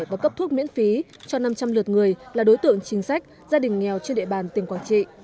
và cấp thuốc miễn phí cho năm trăm linh lượt người là đối tượng chính sách gia đình nghèo trên địa bàn tỉnh quảng trị